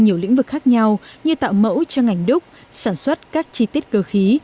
nhiều lĩnh vực khác nhau như tạo mẫu cho ngành đúc sản xuất các chi tiết cơ khí